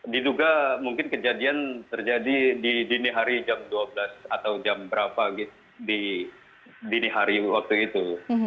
diduga mungkin kejadian terjadi di dini hari jam dua belas atau jam berapa di dini hari waktu itu